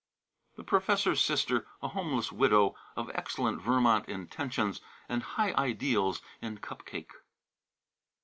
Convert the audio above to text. "The professor's sister, a homeless widow, of excellent Vermont intentions and high ideals in cup cake."